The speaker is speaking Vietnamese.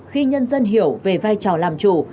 khi nhân dân hiểu về vai trò làm chủ